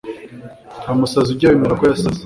ntamusazi ujya wemera ko yasaze